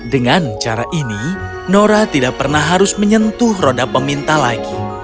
dengan cara ini nora tidak pernah harus menyentuh roda peminta lagi